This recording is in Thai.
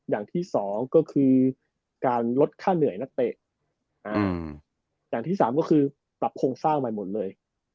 อย่างที่สองก็คือการลดค่าเหนื่อยนักเตะอย่างที่สามก็คือปรับโครงสร้างใหม่หมดเลย